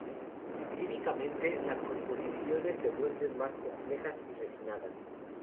Líricamente, las composiciones se vuelven más complejas y refinadas.